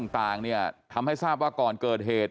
ต่างเนี่ยทำให้ทราบว่าก่อนเกิดเหตุ